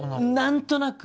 何となく？